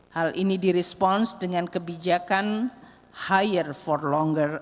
hal ini direspons dengan kebijakan hire for longer